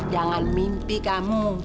jangan mimpi kamu